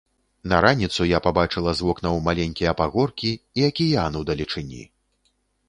На раніцу я пабачыла з вокнаў маленькія пагоркі і акіян удалечыні.